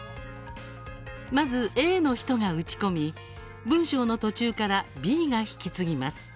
まずＡの人が打ち込み文章の途中からＢが引き継ぎます。